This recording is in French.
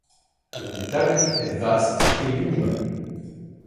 L'habitacle est vaste et lumineux.